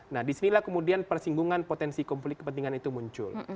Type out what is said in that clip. nah disinilah kemudian persinggungan potensi konflik kepentingan itu muncul